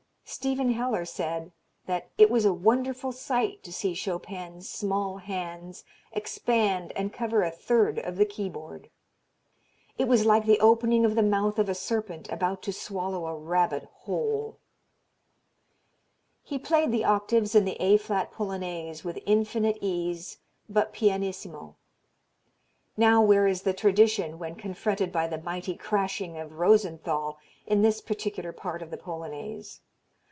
Stephen Heller said that "it was a wonderful sight to see Chopin's small hands expand and cover a third of the keyboard. It was like the opening of the mouth of a serpent about to swallow a rabbit whole." He played the octaves in the A flat Polonaise with infinite ease but pianissimo. Now where is the "tradition" when confronted by the mighty crashing of Rosenthal in this particular part of the Polonaise?